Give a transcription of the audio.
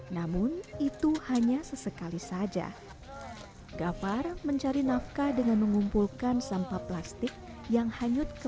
namun itu hanya sesekali saja gafar mencari nafkah dengan mengumpulkan sampah plastik yang hanyut ke